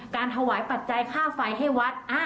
การถวายปัจจัยค่าไฟให้วัด